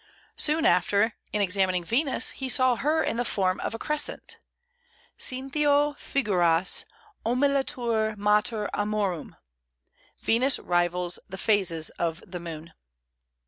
Soon after, in examining Venus, he saw her in the form of a crescent: Cynthioe figuras oemulatur mater amorum, "Venus rivals the phases of the moon."